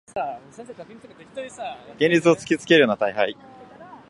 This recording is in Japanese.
現実を突きつけるような大敗